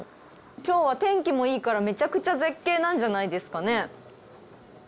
今日は天気もいいからめちゃくちゃ絶景なんじゃないですかね。